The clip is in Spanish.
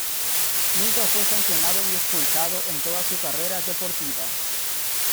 Nunca fue sancionado ni expulsado en toda su carrera deportiva.